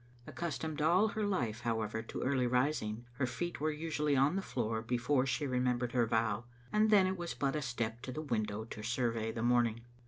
Accustomed all her life, however, to early rising, her feet were nsnally on the floor before she remem bered her vow, and then it was but a step to the window to survey the morning.